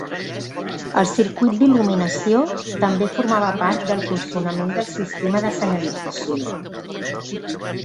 El circuit d'il·luminació també formava part del funcionament del sistema de senyalització.